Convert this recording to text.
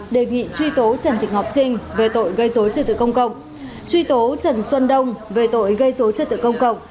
đề nghị truy tố trần thị ngọc trinh về tội gây dối trật tự công cộng truy tố trần xuân đông về tội gây dối trật tự công cộng